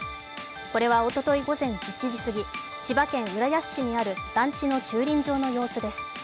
これはおととい午前１時過ぎ、千葉県浦安市にある団地の駐輪場の様子です。